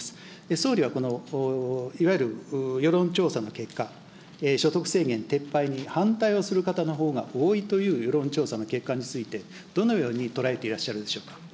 総理はこのいわゆる世論調査の結果、所得制限撤廃に反対をする方のほうが多いという世論調査の結果について、どのように捉えていらっしゃるでしょうか。